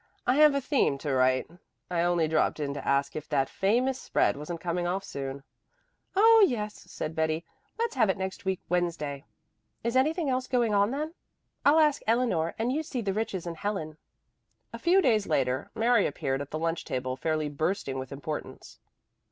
"I have a theme to write. I only dropped in to ask if that famous spread wasn't coming off soon." "Oh, yes," said Betty. "Let's have it next week Wednesday. Is anything else going on then? I'll ask Eleanor and you see the Riches and Helen." A few days later Mary appeared at the lunch table fairly bursting with importance.